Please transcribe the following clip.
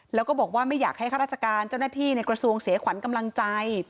แล้วก็บอกว่าไม่อยากให้ข้าราชการเจ้าหน้าที่ในกระทรวงเสียขวัญกำลังใจ